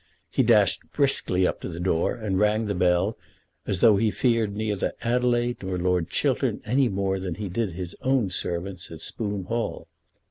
He dashed briskly up to the door, and rang the bell as though he feared neither Adelaide nor Lord Chiltern any more than he did his own servants at Spoon Hall.